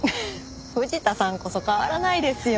藤田さんこそ変わらないですよ。